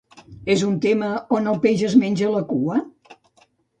És un tema on el peix es menja la cua?